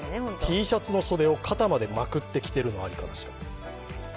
Ｔシャツの袖を肩までまくって着ているのはありかなしか。